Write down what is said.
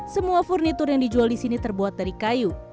semua furnitur yang dijual di sini terbuat dari kayu